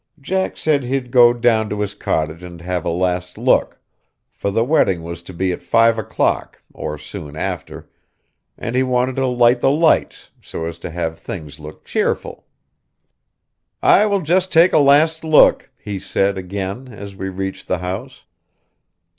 Jack said he'd go down to his cottage and have a last look, for the wedding was to be at five o'clock, or soon after, and he wanted to light the lights, so as to have things look cheerful. "I will just take a last look," he said again, as we reached the house.